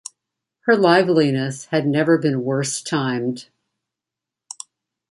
Her liveliness had never been worse timed.